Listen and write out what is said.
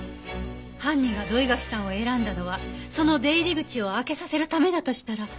犯人が土居垣さんを選んだのはその出入り口を開けさせるためだとしたら。